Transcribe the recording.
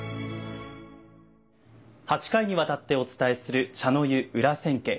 ８回にわたってお伝えする「茶の湯裏千家」。